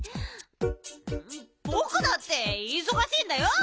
ぼくだっていそがしいんだよ。